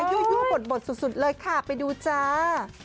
ยู่บดสุดเลยค่ะไปดูจ้า